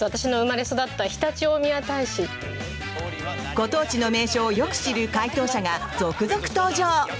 ご当地の名所をよく知る回答者が続々登場！